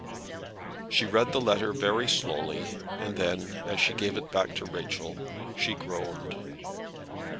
She read the letter very slowly, and then, as she gave it back to Rachel, she groaned.